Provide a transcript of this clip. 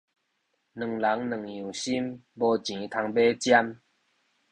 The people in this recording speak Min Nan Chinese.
兩人兩樣心，無錢通買針